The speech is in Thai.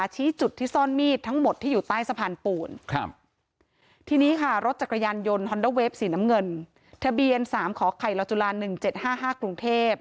ยนท์ทั้งหมดที่อยู่ต้านสะพานปูน